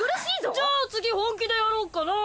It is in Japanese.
じゃあ次本気でやろっかな！